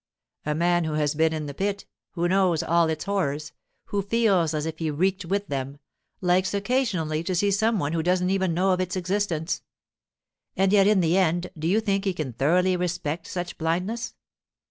A man who has been in the pit, who knows all its horrors—who feels as if he reeked with them—likes occasionally to see some one who doesn't even know of its existence. And yet in the end do you think he can thoroughly respect such blindness?